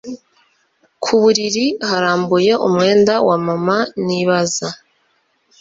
kuburiri harambuye umwenda wa mama nibaza